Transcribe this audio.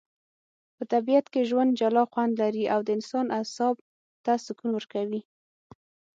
په طبیعت کي ژوند جلا خوندلري.او د انسان اعصاب ته سکون ورکوي